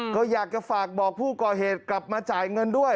ก็อยากจะฝากบอกผู้ก่อเหตุกลับมาจ่ายเงินด้วย